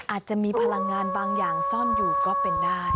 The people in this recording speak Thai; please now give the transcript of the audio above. อาจจะมีพลังงานบางอย่างซ่อนอยู่ก็เป็นได้